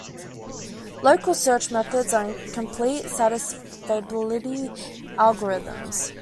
Local search methods are incomplete satisfiability algorithms.